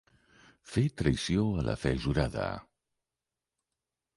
Fer traïció a la fe jurada.